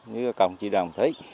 như các ông chị đồng thấy